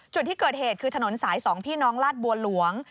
จุดที่เกิดเหตุคือถนนสาย๒พี่น้องลาดบัวหลวง